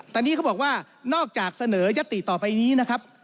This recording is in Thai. ตอนนี้เขาบอกว่านอกจากเสนอยัตติต่อไปนี้นะครับ